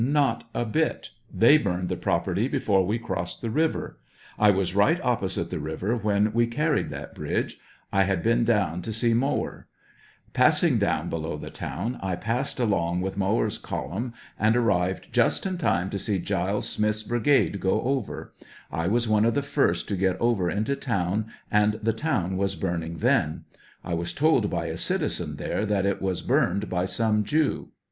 Not a bit; they burned the property before we crossed the river ; I was right opposite the river when we carried that bridge ; I had been down to see Mower; passing down below the town, I passed along with 84 i.Iower 8 uoiumn, ana arrived just in time to see Giles Smith's brigade go over; I was one of the first to get over into town land the town was burning then ; I was told by a citizen there that it was burned by some Jew.